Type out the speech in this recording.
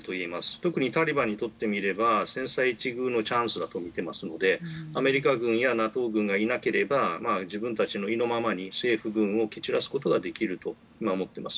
特にタリバンにとってみれば千載一遇のチャンスと見ていますので、アメリカ軍やＮＡＴＯ軍がいなければ自分たちの意のままに政府軍を蹴散らすことができると思っています。